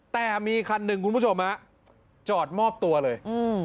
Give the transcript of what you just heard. แต่มีคันหนึ่งคุณผู้ชมฮะจอดมอบตัวเลยอืม